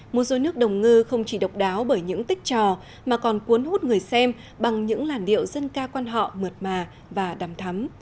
mua dối nước đồng ngư không chỉ độc đáo bởi những tích trò mà còn cuốn hút người xem bằng những làn điệu dân ca quan họ mượt mà và đầm thắm